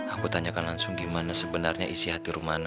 aku tanyakan langsung gimana sebenarnya isi hati rumah